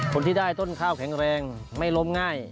คนที่ได้ต้นข้าวแข็งแรงไม่ล้มง่าย